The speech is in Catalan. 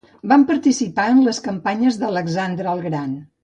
Van participar en les campanyes d'Alexandre el Gran.